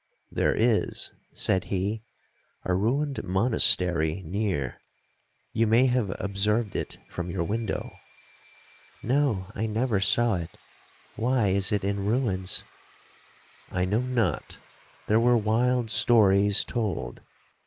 'There is,' said he, 'a ruined monastery near—you may have observed it from your window.'—'No! I never saw it. Why is it in ruins?'—'I know not—there were wild stories told.